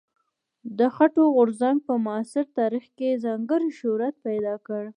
د خټکو غورځنګ په معاصر تاریخ کې ځانګړی شهرت پیدا کړ.